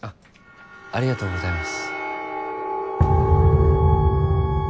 ありがとうございます。